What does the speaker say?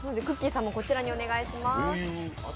さんもこちらにお願いします。